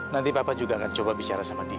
nanti papa juga akan coba bicara sama dia